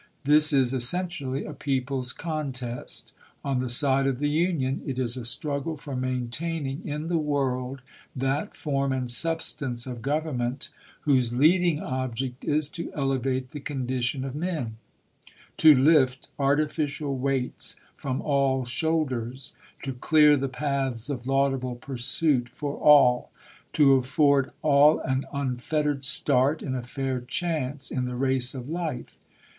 This is essentially a people's contest. On the side of the Union it is a struggle for maintaining in the world that form and substance of Government whose leading object is to elevate the condition of men ; to lift artificial weights from aU shoulders ; to clear the paths of laudable pursuit for all ; to afford all an unfet tered start and a fair chance in the race of life.